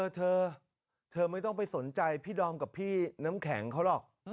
เธอเธอไม่ต้องไปสนใจพี่ดอมกับพี่น้ำแข็งเขาหรอก